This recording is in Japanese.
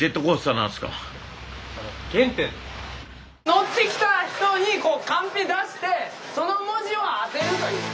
乗ってきた人にこうカンペ出してその文字を当てるという。